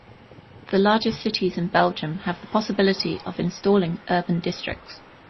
The largest cities in Belgium have the possibility of installing urban districts.